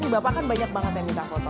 bapak kan banyak banget yang minta foto